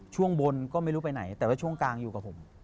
ช่วงบนก็ไม่รู้ไปไหนแต่ว่าช่วงกลางอยู่กับผม